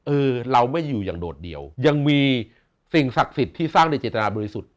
เออเราไม่อยู่อย่างโดดเดี่ยวยังมีสิ่งศักดิ์สิทธิ์ที่สร้างโดยเจตนาบริสุทธิ์